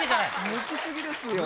むきすぎですよ